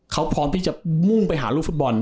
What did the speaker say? เขาพร้อมที่จะมุ่งไปหาลูกฟุตบอล